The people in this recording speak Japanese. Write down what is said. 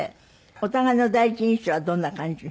お互いの第一印象はどんな感じ？